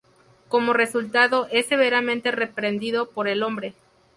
Como resultado, es severamente reprendido por el hombre.